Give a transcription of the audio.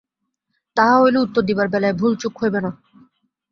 তাহা হইলে উত্তর দিবার বেলায় ভুলচুক হইবে না।